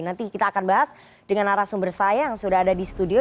nanti kita akan bahas dengan arah sumber saya yang sudah ada di studio